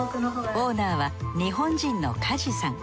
オーナーは日本人の加地さん。